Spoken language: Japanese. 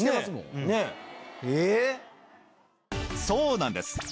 そうなんです